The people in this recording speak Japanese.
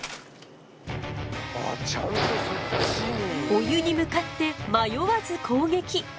お湯に向かって迷わず攻撃！